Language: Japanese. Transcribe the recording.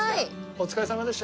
お疲れさまでした！